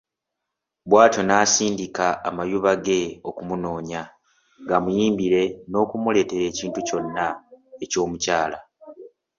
Bw'atyo n'asindika amayuba ge okumunoonya, gamuyimbire n'okumuleetera ekintu kyonna eky'omukyala.